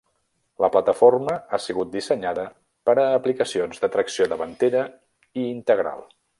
La plataforma ha sigut dissenyada per a aplicacions de tracció davantera i integral.